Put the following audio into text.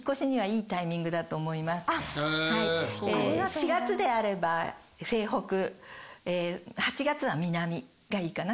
４月であれば西北８月は南がいいかな？